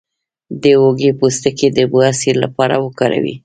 د هوږې پوستکی د بواسیر لپاره وکاروئ